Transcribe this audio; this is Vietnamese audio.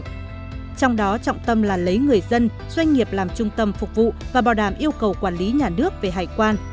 trong đó trọng tâm là lấy người dân doanh nghiệp làm trung tâm phục vụ và bảo đảm yêu cầu quản lý nhà nước về hải quan